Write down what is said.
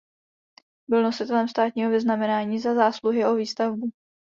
Byl nositelem státního vyznamenání Za zásluhy o výstavbu.